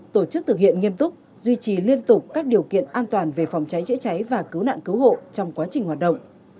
tổ chức thực hiện nghiêm túc duy trì liên tục các điều kiện an toàn về phòng cháy chữa cháy và cứu nạn cứu hộ trong quá trình hoạt động